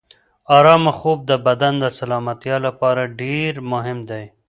ارامه خوب د بدن د سلامتیا لپاره ډېر مهم دی.